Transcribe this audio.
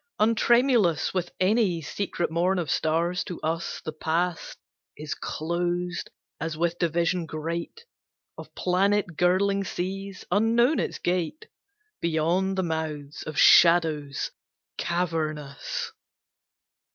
Untremulous With any secret morn of stars, to us The Past is closed as with division great Of planet girdling seas unknown its gate, Beyond the mouths of shadows cavernous.